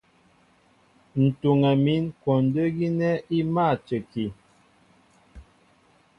Ǹ tuŋɛ mín kwɔndə́ gínɛ́ í mâ a cəki.